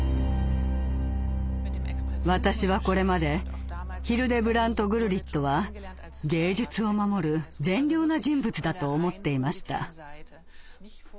私はこれまでヒルデブラント・グルリットは芸術を守る善良な人物だと思っていました。